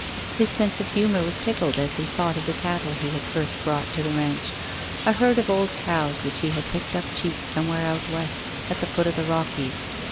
His sense of humour was tickled as he thought of the cattle he had first brought to the ranch a herd of old cows which he had picked up cheap somewhere out West at the foot of the Rockies.